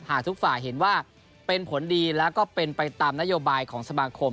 หากทุกฝ่ายเห็นว่าเป็นผลดีแล้วก็เป็นไปตามนโยบายของสมาคม